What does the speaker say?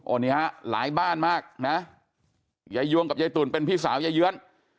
โอ้เนี้ยฮะหลายบ้านมากนะยะยวงกับยะตุลเป็นพี่สาวยะเยื้อน